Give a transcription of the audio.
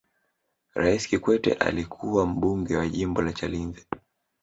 raisi kikwete alikuwa mbunge wa jimbo la chalinze